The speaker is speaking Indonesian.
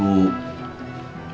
mau jadi guru